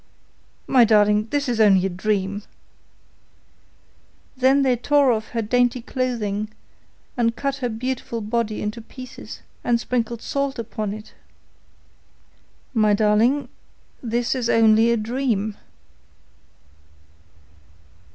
'My darling, this is only a dream.' 'Then they tore off her dainty clothing, and cut her beautiful body into pieces and sprinkled salt upon it.' 'My darling, this is only a dream.